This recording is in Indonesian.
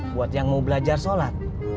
buat yang mau belajar sholat